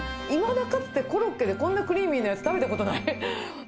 いまだかつて、コロッケでこんなクリーミーなやつ食べたことない。